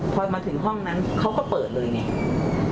พอมาถึงห้องนั้นเขาก็เปิดเลยเนี่ย